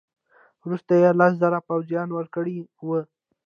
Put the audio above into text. وروسته یې لس زره پوځیان ورکړي وه.